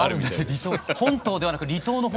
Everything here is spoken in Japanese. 本島ではなく離島の方。